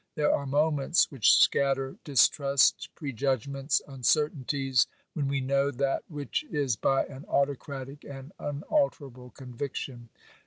There are moments which scatter distrust, prejudgments, uncertainties, when we know that which is by an autocratic and unalterable conviction.